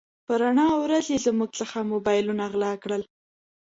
په رڼا ورځ يې زموږ څخه موبایلونه غلا کړل.